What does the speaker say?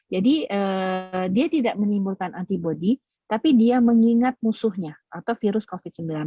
jadi dia tidak menimbulkan antibody tapi dia mengingat musuhnya atau virus covid sembilan belas